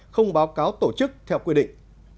không báo cáo tổ chức theo quy định